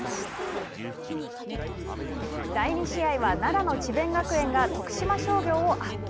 第２試合は奈良の智弁学園が徳島商業を圧倒。